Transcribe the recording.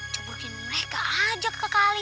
coba bikin mereka ajak kekali